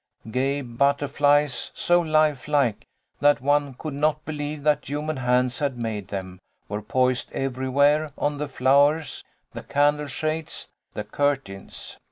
Gay butterflies, so lifelike that one could not believe that human hands had made them, were poised everywhere, on the flowers, the candle shades, the curtains.